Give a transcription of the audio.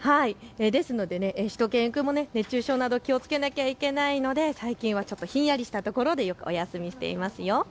しゅと犬くん、熱中症なども気をつけなきゃいけないので最近はひんやりしたところでお休みしています。